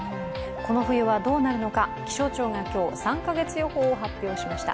この冬はどうなるのか気象庁が今日、３か月予報を発表しました。